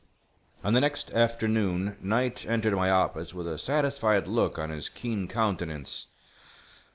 On the next afternoon Knight entered my office with a satisfied look on his keen countenance.